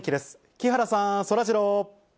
木原さん、そらジロー。